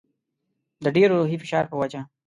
د ډېر روحي فشار په وجه.